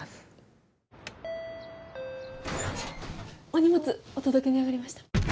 お荷物お届けに上がりました。